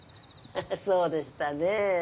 そうでしたね。